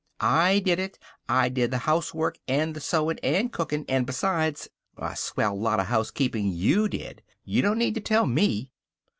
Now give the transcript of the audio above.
"I did it. I did the housework and the sewin' and cookin', an' besides " "A swell lot of housekeepin' you did. You don't need to tell me."